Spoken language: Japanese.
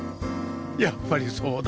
やっぱりそうだ